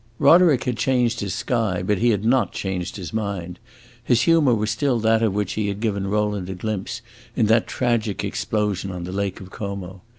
Roderick had changed his sky, but he had not changed his mind; his humor was still that of which he had given Rowland a glimpse in that tragic explosion on the Lake of Como.